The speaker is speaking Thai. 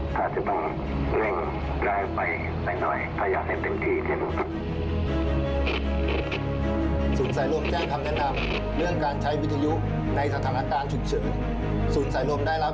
ชัดเจนไหมคะความรับ